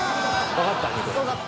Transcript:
わかった。